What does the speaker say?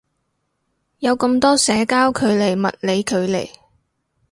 有咁多社交距離物理距離